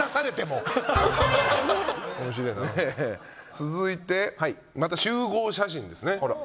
続いてまた集合写真ですね。